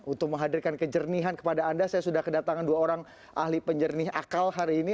untuk menghadirkan kejernihan kepada anda saya sudah kedatangan dua orang ahli penjernih akal hari ini